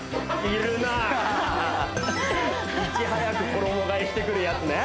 いち早く衣替えしてくるやつね